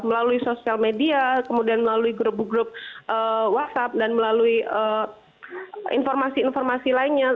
melalui sosial media kemudian melalui grup grup whatsapp dan melalui informasi informasi lainnya